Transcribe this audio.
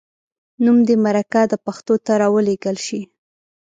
نوم دې مرکه د پښتو ته راولیږل شي.